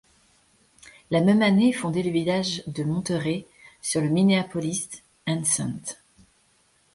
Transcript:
La même année est fondé le village de Monterey, sur le Minneapolis and St.